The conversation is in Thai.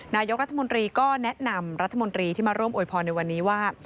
นายกรัฐมนตรีก็แนะนำรัฐมนตรีที่มาร่วมอวยพรในวันนี้ว่า